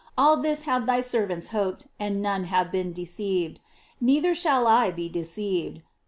All this have thy servants hoped, and none have been deceived. Neither shall I be deceived.